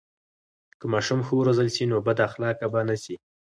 که ماشوم ښه و روزل سي، نو بد اخلاقه به نه سي.